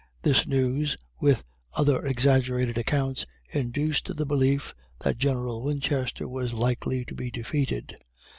This news, with other exaggerated accounts, induced the belief that General Winchester was likely to be defeated.